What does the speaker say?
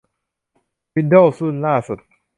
วินโดวส์รุ่นล่าสุด